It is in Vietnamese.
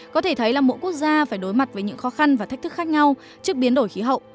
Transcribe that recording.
có thể thấy là mỗi quốc gia phải đối mặt với những khó khăn và thách thức khác nhau trước biến đổi khí hậu